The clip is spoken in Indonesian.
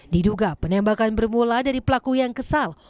diduga penembakan bermula dari pelaku yang kesal